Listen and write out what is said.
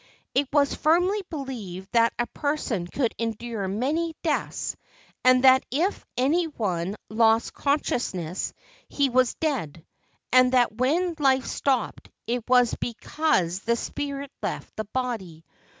It was firmly believed that a person could endure many deaths, and that if any one lost consciousness he was dead, and that when life stopped it was because the spirit left the body.